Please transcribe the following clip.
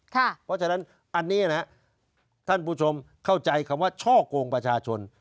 เพราะฉะนั้นอันนี้นะท่านผู้ชมเข้าใจคำว่าช่อกงประชาชน